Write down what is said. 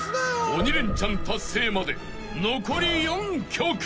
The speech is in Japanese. ［鬼レンチャン達成まで残り４曲］